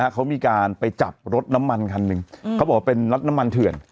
เขามีการไปจับรถน้ำมันคันหนึ่งเขาบอกว่าเป็นรถน้ำมันเถื่อน